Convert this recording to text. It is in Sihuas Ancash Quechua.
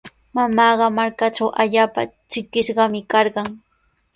Mamaaqa markantraw allaapa trikishqami karqan.